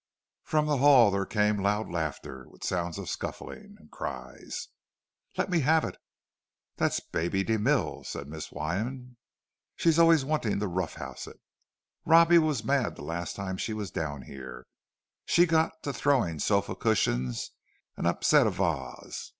From the hall there came loud laughter, with sounds of scuffling, and cries, "Let me have it!"—"That's Baby de Mille," said Miss Wyman. "She's always wanting to rough house it. Robbie was mad the last time she was down here; she got to throwing sofa cushions, and upset a vase."